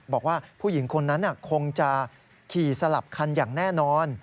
บอกว่าผู้หญิงคนนั้นคงจะขี่สลับคันอย่างแน่นอน